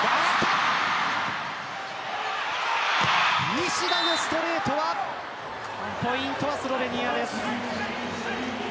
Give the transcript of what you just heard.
西田のストレートはポイントはスロベニアになります。